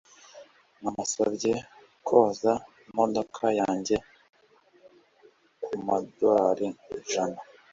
Namusabye koza imodoka yanjye kumadorari ijana.